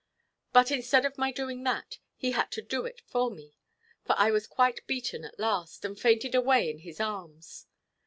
But instead of my doing that, he had to do it for me; for I was quite beaten at last, and fainted away in his arms.